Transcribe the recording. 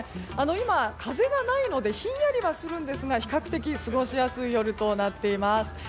今、風がないのでひんやりはするんですが比較的過ごしやすい夜となっています。